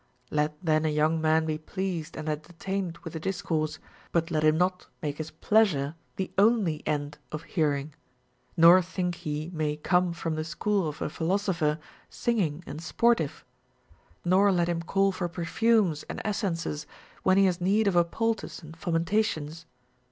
9. Let then a young man be pleased and entertained with a discourse ; but let him not make his pleasure the only end of hearing, nor think he may come from the school of a philosopher singing and sportive ; nor let him call for perfumes and essences when he has need of a poultice and fomentations.